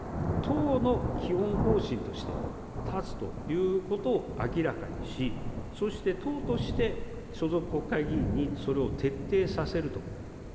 党の基本方針として、断つということを明らかにし、そして、党として所属国会議員にそれを徹底させると。